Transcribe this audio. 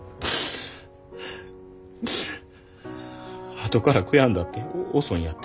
あとから悔やんだって遅いんやて。